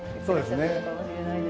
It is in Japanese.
そうですね。